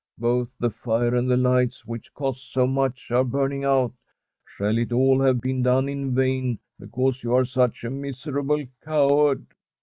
' Both the fire and the lights, which cost so much, are burning out. Shall it all have been done in vain because you are such a mis erable coward